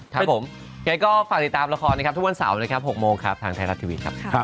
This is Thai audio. ครับผมยังไงก็ฝากติดตามละครนะครับทุกวันเสาร์นะครับ๖โมงครับทางไทยรัฐทีวีครับ